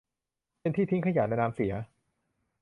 เป็นที่ทิ้งขยะและน้ำเสีย